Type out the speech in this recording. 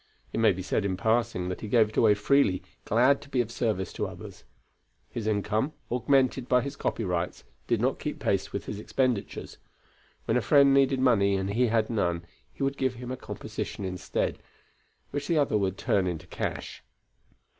It may be said in passing that he gave it away freely, glad to be of service to others. His income, augmented by his copyrights, did not keep pace with his expenditures; when a friend needed money and he had none, he would give him a composition instead, which the other would turn into cash.